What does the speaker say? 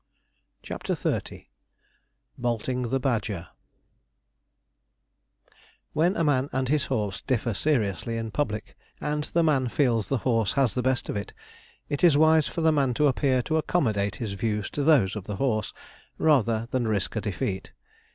CHAPTER XXX BOLTING THE BADGER When a man and his horse differ seriously in public, and the man feels the horse has the best of it, it is wise for the man to appear to accommodate his views to those of the horse, rather than risk a defeat.